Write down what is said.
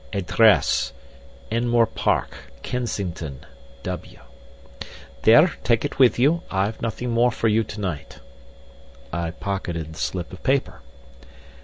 Address: Enmore Park, Kensington, W.' "There, take it with you. I've nothing more for you to night." I pocketed the slip of paper.